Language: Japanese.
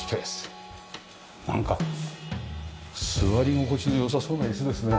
なんか座り心地の良さそうな椅子ですね。